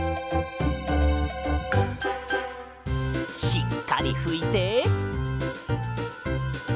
しっかりふいて。